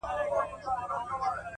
هره هڅه د راتلونکي شکل جوړوي،